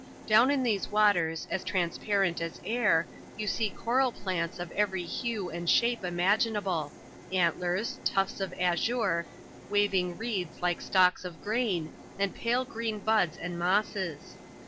Down in these waters, as transpai ent as air, you iee ooral plants of every hue and shape imaginable :— antlers, tofts of azure, wa\'ing reeds like stalks of grain, and pale green bods and mosses.